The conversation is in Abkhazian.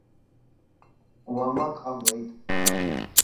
Уамак ҟамлеит.